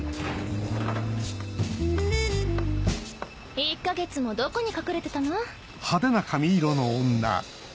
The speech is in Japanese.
１か月もどこに隠れてたの？